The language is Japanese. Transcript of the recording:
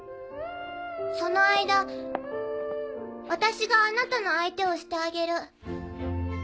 その間私があなたの相手をしてあげる。